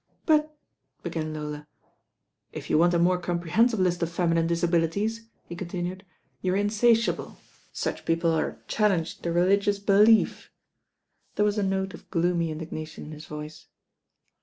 "But " began Lola. (d 'If you want a more comprehensive list of fem inine disabilities," he continued, "you are insatiable. Such people are a challenge to religious belief." There was a note of gloomy indignation in his voice.